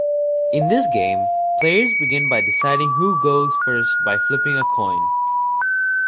In this game players begin by deciding who goes first by flipping a coin.